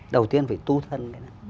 đầu tiên phải tu thân